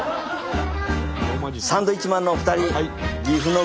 サンドウィッチマンのお二人！